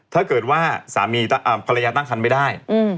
ถ้าเกิดว่าสามีภรรยาตั้งคันไม่ได้